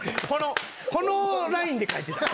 このラインで書いてた。